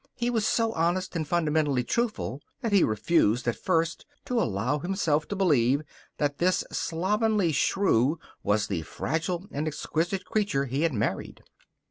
He was so honest and fundamentally truthful that he refused at first to allow himself to believe that this slovenly shrew was the fragile and exquisite creature he had married.